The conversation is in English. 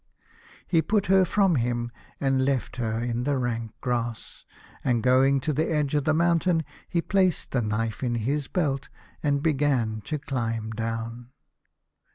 He put her from him and left her in the rank grass, and going to the edge of the mountain he placed the knife in his belt, and began to climb down.